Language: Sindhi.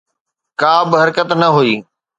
ڪابه حرڪت نه هئي.